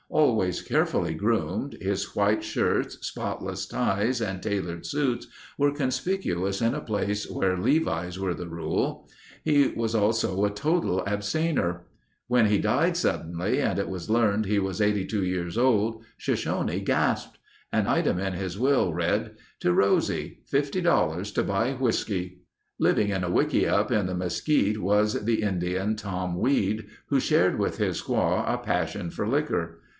Always carefully groomed, his white shirts, spotless ties, and tailored suits were conspicuous in a place where levis were the rule. He was also a total abstainer. When he died suddenly and it was learned he was 82 years old, Shoshone gasped. An item in his will read: "To Rosie, $50 to buy whiskey." Living in a wickiup in the mesquite was the Indian, Tom Weed, who shared with his squaw a passion for liquor.